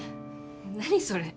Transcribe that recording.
何それ？